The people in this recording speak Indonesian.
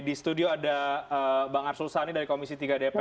di studio ada bang arsul sani dari komisi tiga dpr